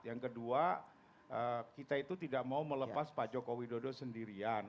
yang kedua kita itu tidak mau melepas pak joko widodo sendirian